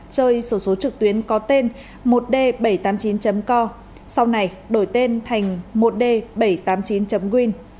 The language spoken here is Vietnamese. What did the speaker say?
chơi sổ số trực tuyến có tên một d bảy trăm tám mươi chín co sau này đổi tên thành một d bảy trăm tám mươi chín green